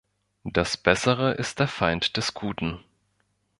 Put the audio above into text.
Das Bessere ist der Feind des Guten.